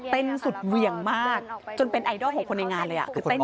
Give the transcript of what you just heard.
สุดเหวี่ยงมากจนเป็นไอดอลของคนในงานเลย